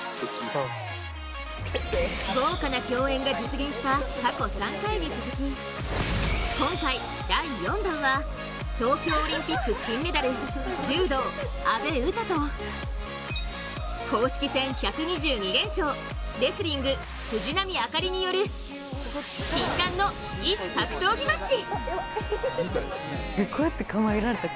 豪華な共演が実現した過去３回に続き今回、第４弾は東京オリンピック金メダル、柔道・阿部詩と公式戦１２２連勝、レスリング藤波朱理による禁断の異種格闘技マッチ！